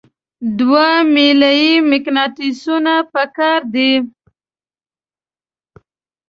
دوه میله یي مقناطیسونه پکار دي.